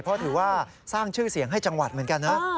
เพราะสิ่งติดไฟว่าสร้างชื่อเสียงให้จังหวัดเหมือนกัน